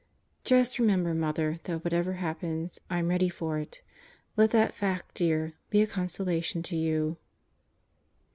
Just remember, Mother, that whatever happens, I'm ready for it. Let that fact, dear, be a consolation to you.